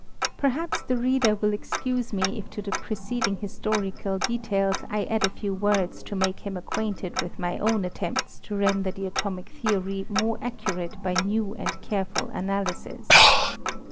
Perhaps the reader will excuse me if to the prece dinjr historical details 1 add a few words to make him. ucquainted with my own attempts to render the atomic theory more accurate by new and careful analyses.